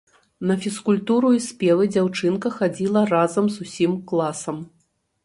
На фізкультуру і спевы дзяўчынка хадзіла разам з усім класам.